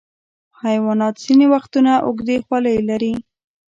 حیوانات ځینې وختونه اوږدې خولۍ لري.